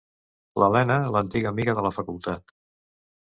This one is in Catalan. L'Elena, l'antiga amiga de la Facultat...